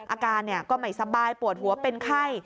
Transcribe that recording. อาการก็ไม่สบายปวดหัวเป็นไข้